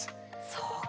そうか。